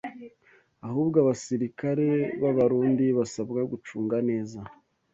Ahubwo abasirikare b’Abarundi basabwa gucunga neza